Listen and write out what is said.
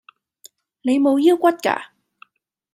你無腰骨架